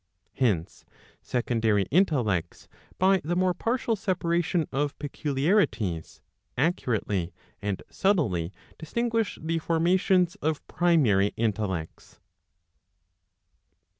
Hence secondary intellects, by the more partial separation of peculiarities, accurately and subtly distinguish the formations of primary intellects.